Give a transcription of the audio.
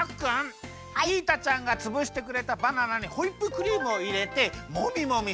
イータちゃんがつぶしてくれたバナナにホイップクリームをいれてもみもみしてください。